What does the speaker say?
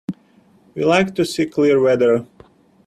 We like to see clear weather.